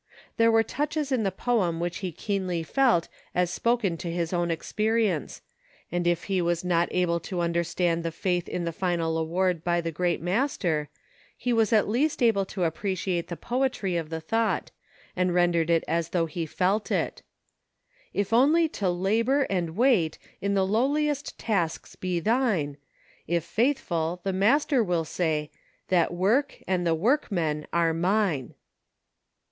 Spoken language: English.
There were touches in the poem which he keenly felt as spoken to his own experience, and if he was not able to understand the faith in the final award by the great Master, he was at least able to appreciate the poetry of the thought, and rendered it as though he felt it : If only to labor and wait, In the lowliest tasks be thine ; If faithful, the Master will say, That work and the workmen are mine.